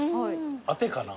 あてかな？